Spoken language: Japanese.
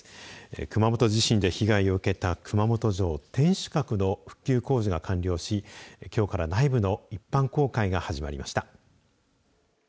熊本地震で被害を受けた熊本城天守閣の復旧工事が完了し、きょうから内部の一般公開が始まりました。